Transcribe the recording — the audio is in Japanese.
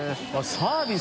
サービス。